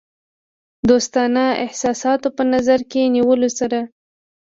دوستانه احساساتو په نظر کې نیولو سره.